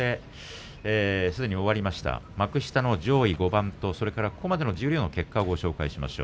すでに終わりました幕下の上位５番とここまでの十両の結果をご紹介します。